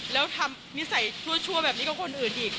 แล้วทำนิสัยชั่วแบบนี้กับคนอื่นอีก